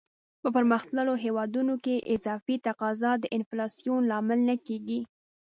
په پرمختللو هیوادونو کې اضافي تقاضا د انفلاسیون لامل نه کیږي.